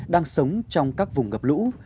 đang sống trong các vùng ngập lũ